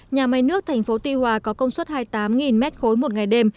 nhà máy nước tp tuy hòa có công suất hai mươi tám m ba một ngày đêm